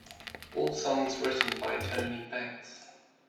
All songs written by Tony Banks.